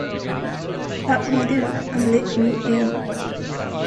Love Me Do" and "Let 'Em In".